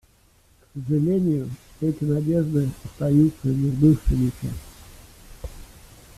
К сожалению, эти надежды остаются несбывшимися.